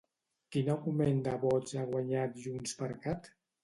Quin augment de vots ha guanyat Juntsxcat?